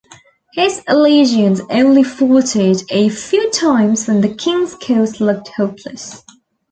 His allegiance only faltered a few times when the king's cause looked hopeless.